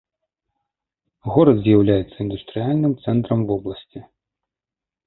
Горад з'яўляецца індустрыяльным цэнтрам вобласці.